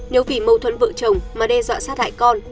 nếu vì mâu thuẫn vợ chồng mà đe dọa sát hại con